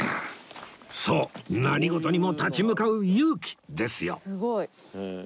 そう何事にも立ち向かう勇気ですよ